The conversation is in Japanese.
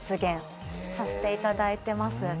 させていただいてます。